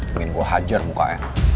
ingin gue hajar mukanya